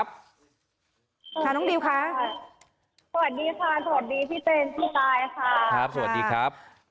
สวัสดีค่ะสวัสดีพี่เตนพี่กายค่ะ